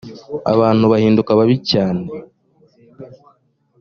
abantu bahinduka babi cyane